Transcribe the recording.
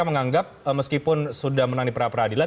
menganggap meskipun sudah menang di peradilan